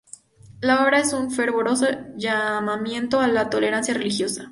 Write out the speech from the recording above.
La obra es un fervoroso llamamiento a la tolerancia religiosa.